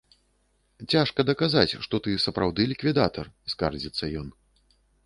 Цяжка даказаць, што ты сапраўды ліквідатар, скардзіцца ён.